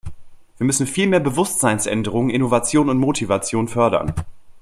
Wir müssen vielmehr Bewusstseinsänderungen, Innovation und Motivation fördern.